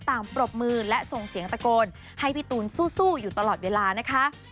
ปรบมือและส่งเสียงตะโกนให้พี่ตูนสู้อยู่ตลอดเวลานะคะ